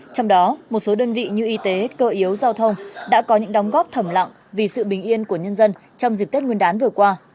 trong đó một số đơn vị như y tế cơ yếu giao thông đã có những đóng góp thầm lặng vì sự bình yên của nhân dân trong dịp tết nguyên đán vừa qua